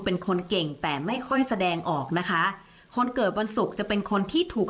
เป็นคนเก่งแต่ไม่ค่อยแสดงออกนะคะคนเกิดวันศุกร์จะเป็นคนที่ถูก